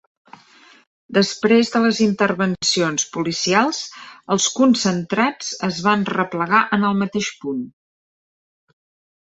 Després de les intervencions policials, els concentrats es van replegar en el mateix punt.